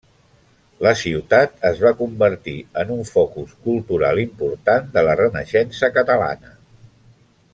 La ciutat es va convertir en un focus cultural important de la Renaixença catalana.